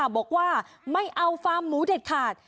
บอกว่าไม่เอาฟาร์มหมูเด็ดขาด